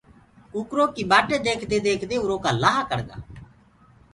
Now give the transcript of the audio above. ڪُڪَرو ڪي ٻآٽي ديکدي ديکدي اورو ڪآ لآه ڪڙگآ۔